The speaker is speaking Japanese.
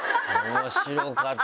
面白かったな。